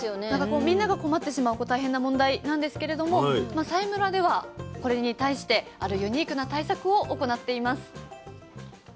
みんなが困ってしまう大変な問題なんですけれども佐井村ではこれに対してあるユニークな対策を行っています。